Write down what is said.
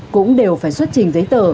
cũng đều phải xuất trình giấy tờ